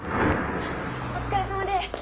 お疲れさまでーす。